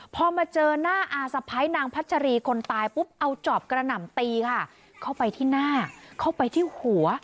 พอมาเจอหน้าอาสะพ้ายนางพัชรีคนตายปุ๊บเอาจอบกระหน่ำตีค่ะเข้าไปที่หน้าเข้าไปที่หัว